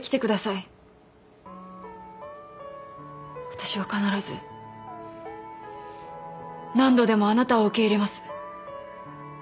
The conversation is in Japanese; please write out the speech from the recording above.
私は必ず何度でもあなたを受け入れます。